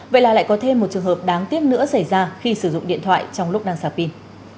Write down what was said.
vậy là lại có thêm một trường hợp đáng tiếc nữa xảy ra khi sử dụng điện thoại trong lúc đang sạc pin